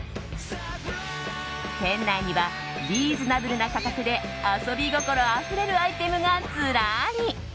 店内にはリーズナブルな価格で遊び心あふれるアイテムがずらり。